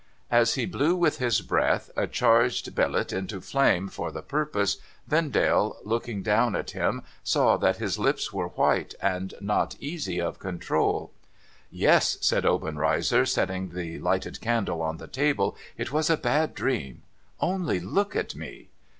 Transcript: As he blew with his breath a charred billet into flame for the purpose, Vendale, looking down at him, saw that his lips were white and not easy of control. i ' Yes !' said Obenreizer, setting the lighted candle on the table, ' it was a bad dream. Only look at me